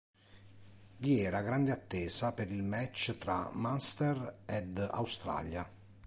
Vi era grande attesa per il match tra Munster ed Australia.